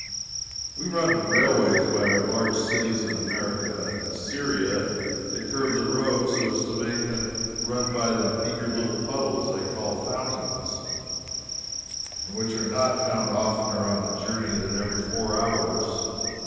We run railways by our large cities in America; in Syria they curve the roads so as to make them run by the meagre little puddles they call "fountains," and which are not found oftener on a journey than every four hours.